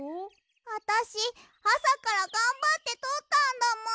あたしあさからがんばってとったんだもん。